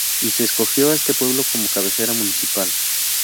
Y se escogió a este pueblo como cabecera municipal.